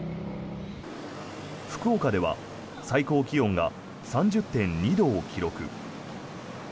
福岡では最高気温が３０．２度を記録。